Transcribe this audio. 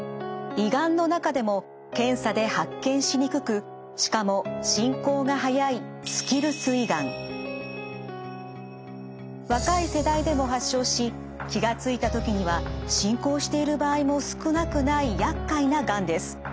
胃がんの中でも検査で発見しにくくしかも進行が速い若い世代でも発症し気が付いた時には進行している場合も少なくないやっかいながんです。